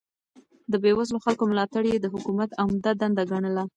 د بې وزلو خلکو ملاتړ يې د حکومت عمده دنده ګڼله.